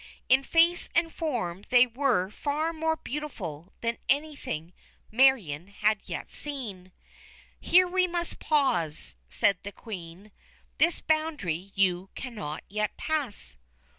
In face and form they were far more beautiful than anything Marion had yet seen. "Here we must pause," said the Queen. "This boundary you cannot yet pass."